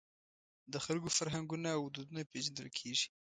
د خلکو فرهنګونه او دودونه پېژندل کېږي.